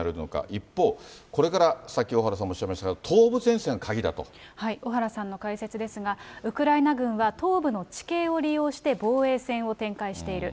一方、これから、さっき小原さんもおっしゃいましたが、小原さんの解説ですが、ウクライナ軍は東部の地形を利用して防衛線を展開している。